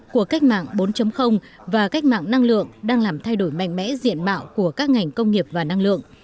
của cách mạng bốn và cách mạng năng lượng đang làm thay đổi mạnh mẽ diện mạo của các ngành công nghiệp và năng lượng